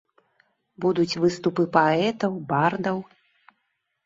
Будуць выступы паэтаў, бардаў.